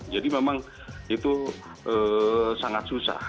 jadi memang itu sangat susah